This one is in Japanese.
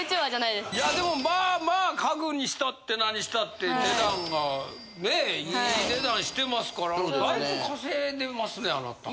いやでもまあまあ家具にしたって何したって値段がねえいい値段してますからだいぶ稼いでますねあなた。